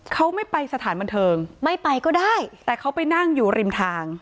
เขาไม่ไปสถานบันเทิงไม่ไปก็ได้แต่เขาไปนั่งอยู่ริมทาง